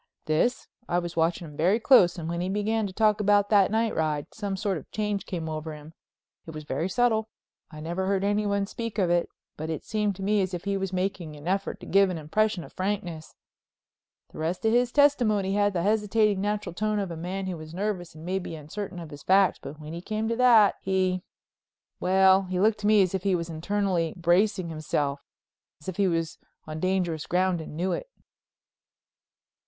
"This—I was watching him very close, and when he began to talk about that night ride, some sort of change came over him. It was very subtle, I never heard anyone speak of it, but it seemed to me as if he was making an effort to give an impression of frankness. The rest of his testimony had the hesitating, natural tone of a man who is nervous and maybe uncertain of his facts, but when he came to that he—well, he looked to me as if he was internally bracing himself, as if he was on dangerous ground and knew it."